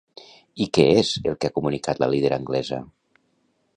I què és el que ha comunicat la líder anglesa?